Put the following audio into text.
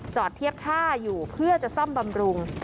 เทียบท่าอยู่เพื่อจะซ่อมบำรุง